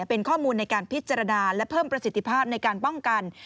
เป็นข้อมูลในการพิจารณาและเพิ่มประสิทธิภาพในการป้องกัน